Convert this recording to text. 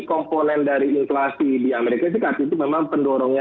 komponen dari inflasi di amerika serikat itu memang pendorongnya